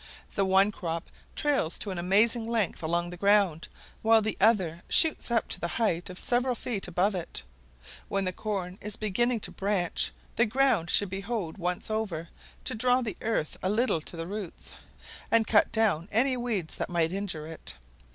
The one crop trails to an amazing length along the ground, while the other shoots up to the height of several feet above it. When the corn is beginning to branch, the ground should be hoed once over, to draw the earth a little to the roots, and cut down any weeds that might injure it.